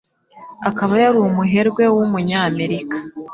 akaba yari umuherwe w'umunyamerika